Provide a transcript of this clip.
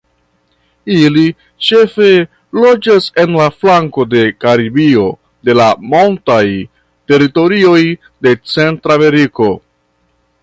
Ili ĉefe loĝas en la flanko de Karibio de la montaj teritorioj de Centrameriko.